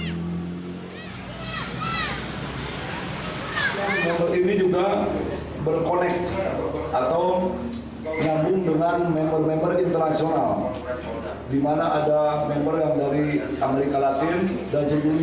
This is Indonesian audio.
berkoneksi atau nyambung dengan member member internasional dimana ada member yang dari